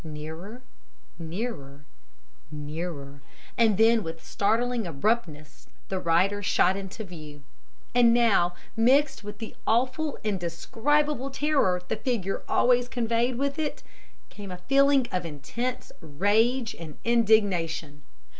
Nearer, nearer, nearer, and then with startling abruptness the rider shot into view. And now, mixed with the awful, indescribable terror the figure always conveyed with it, came a feeling of intense rage and indignation.